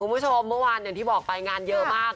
คุณผู้ชมเมื่อวานอย่างที่บอกไปงานเยอะมาก